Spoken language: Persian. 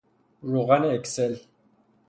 روغن اکسل